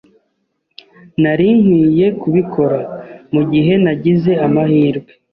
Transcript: Nari nkwiye kubikora mugihe nagize amahirwe.